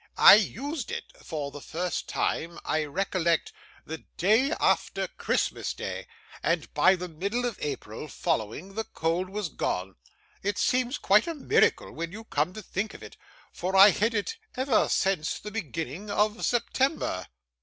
I used it for the first time, I recollect, the day after Christmas Day, and by the middle of April following the cold was gone. It seems quite a miracle when you come to think of it, for I had it ever since the beginning of September.